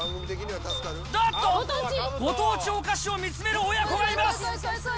なんと、ご当地お菓子を見つける親子がいます。